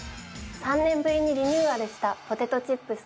３年ぶりにリニューアルしたポテトチップスとは？